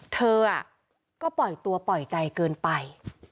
เธอก็ปล่อยตัวปล่อยใจเกินไป